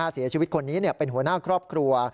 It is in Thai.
เสียชีวิตคนนี้เป็นหัวหน้าครอบครัว